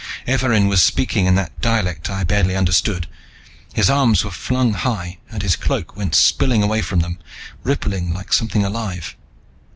Evarin was speaking in that dialect I barely understood. His arms were flung high and his cloak went spilling away from them, rippling like something alive.